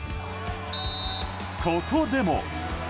ここでも。